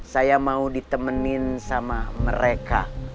saya mau ditemenin sama mereka